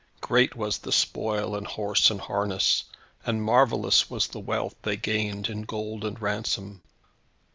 Great was the spoil in horse and harness, and marvellous was the wealth they gained in gold and ransom.